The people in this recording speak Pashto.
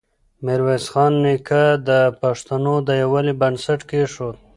ميرويس خان نیکه د پښتنو د يووالي بنسټ کېښود.